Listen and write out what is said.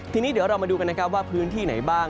ทีนี้เดี๋ยวเรามาดูกันนะครับว่าพื้นที่ไหนบ้าง